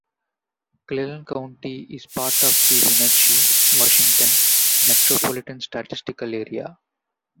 Chelan County is part of the Wenatchee, Washington, Metropolitan Statistical Area.